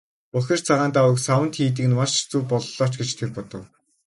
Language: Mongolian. Бохир цагаан даавууг саванд хийдэг нь маш зөв боллоо ч гэж тэр бодов.